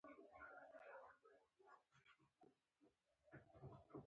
• غونډۍ د ځمکې د تکتونیکي حرکتونو نتیجه ده.